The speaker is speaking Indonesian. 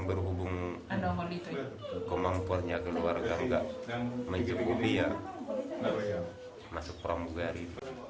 berhubung kemampuannya keluarga enggak mencukupi ya masuk pramugari